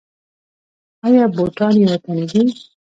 آیا بوټان یې وطني دي؟